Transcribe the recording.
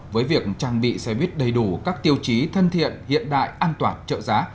với việc trang bị xe buýt đầy đủ các tiêu chí thân thiện hiện đại an toàn trợ giá